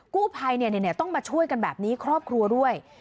กู้ภัยต้องมาช่วยกันแบบนี้ครอบครัวด้วย